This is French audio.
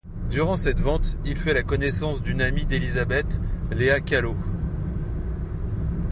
Durant cette vente, il fait la connaissance d’une amie d’Elizabeth, Léa Calot.